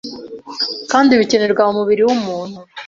kandi bikenerwa mu mubiri w’umuntu,